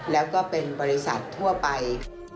แล้วก็เป็นบริษัททั่วไป